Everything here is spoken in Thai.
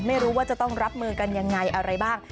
ไม่รู้ว่าจะต้องรับมือกันยังไงอะไรบ้าง